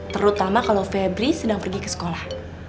terutama kalau febri sedang pergi ke sekolah